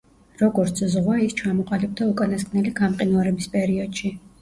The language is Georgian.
როგორც ზღვა, ის ჩამოყალიბდა უკანასკნელი გამყინვარების პერიოდში.